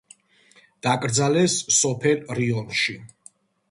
დაკრძალეს სოფელ რიონში.